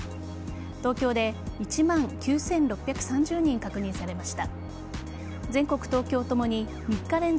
東京で１万９６３０人確認されました。